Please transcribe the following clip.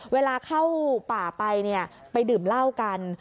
เวลาเข้าป่าไปไปดื่มเหล้ากัน